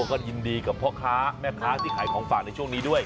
ก็ยินดีกับพ่อค้าแม่ค้าที่ขายของฝากในช่วงนี้ด้วย